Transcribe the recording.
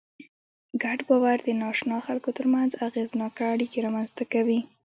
ګډ باور د ناآشنا خلکو تر منځ اغېزناکه اړیکې رامنځ ته کوي.